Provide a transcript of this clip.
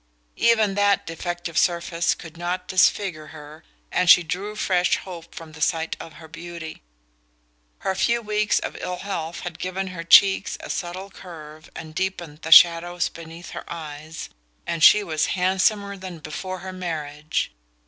Even that defective surface could not disfigure her, and she drew fresh hope from the sight of her beauty. Her few weeks of ill health had given her cheeks a subtler curve and deepened the shadows beneath her eyes, and she was handsomer than before her marriage.